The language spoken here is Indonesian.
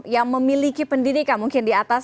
yang memiliki pendidikan mungkin di atas